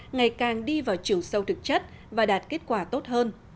ngày càng đi vào chiều sâu thực chất và đạt kết quả tốt hơn